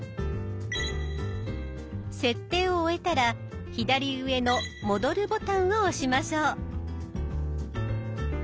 設定を終えたら左上の「戻る」ボタンを押しましょう。